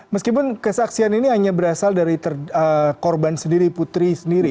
meskipun kesaksian ini hanya berasal dari korban sendiri putri sendiri